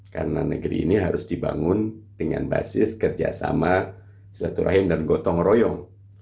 karena negeri ini harus dibangun dengan basis kerjasama silaturahim dan gotong royong